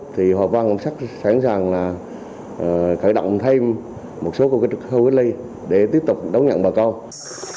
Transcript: thì hòa vang sẵn sàng là khởi động thêm một số khu cách ly để tiếp tục đấu nhận bà con